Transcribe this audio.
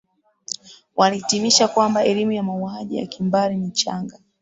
walihitimisha kwamba elimu ya mauaji ya kimbari ni changa